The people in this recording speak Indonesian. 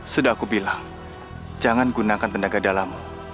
sudah aku bilang jangan gunakan tenaga dalammu